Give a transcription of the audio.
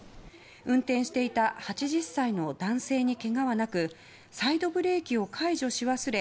運転していた８０歳の男性にけがはなくサイドブレーキを解除し忘れ